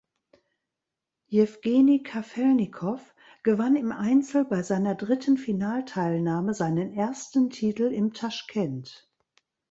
Jewgeni Kafelnikow gewann im Einzel bei seiner dritten Finalteilnahme seinen ersten Titel im Taschkent.